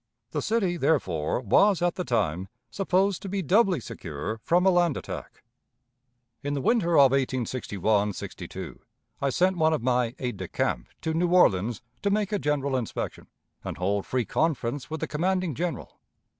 The city, therefore, was at the time supposed to be doubly secure from a land attack. In the winter of 1861 '62 I sent one of my aides de camp to New Orleans to make a general inspection, and hold free conference with the commanding General.